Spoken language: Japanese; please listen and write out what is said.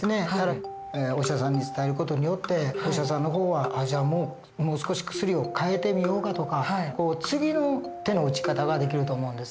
お医者さんに伝える事によってお医者さんの方は「じゃあもう少し薬を変えてみようか」とか次の手の打ち方ができると思うんですね。